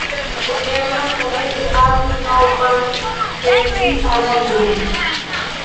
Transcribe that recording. Ne eblas momente havi novan pensi-aranĝon.